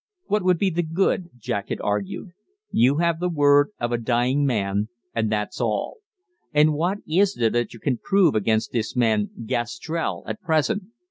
"What would be the good?" Jack had argued. "You have the word of a dying man, and that's all; and what is there that you can prove against this man Gastrell at present?